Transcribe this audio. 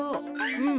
うん。